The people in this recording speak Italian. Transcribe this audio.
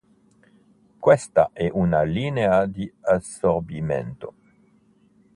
Questa è una linea di assorbimento.